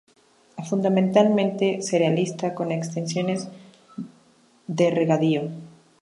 Fundamentalmente cerealista, con extensiones de regadío.